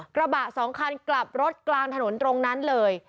กระบะสองคันกลับรถกลางถนนตรงนั้นเลย